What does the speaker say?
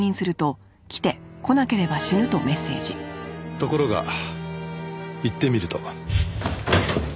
ところが行ってみると。